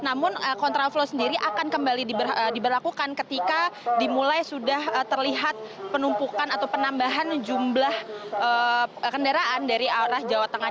penumpukan kendaraan dari arah jawa tengah sendiri akan kembali diberlakukan ketika dimulai sudah terlihat penumpukan atau penambahan jumlah kendaraan dari arah jawa tengah